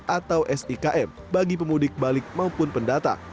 atau sikm bagi pemudik balik maupun pendata